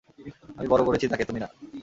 আমি বড় করেছি তাকে, তুমি না।